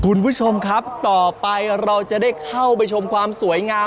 คุณผู้ชมครับต่อไปเราจะได้เข้าไปชมความสวยงาม